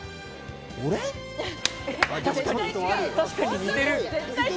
確かに似てる。